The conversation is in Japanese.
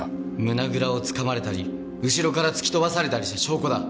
胸倉を掴まれたり後ろから突き飛ばされたりした証拠だ。